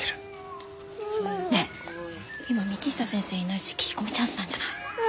ねっ今幹久先生いないし聞き込みチャンスなんじゃない？